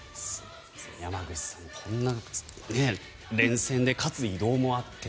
山口さん、こんな連戦でかつ移動もあって。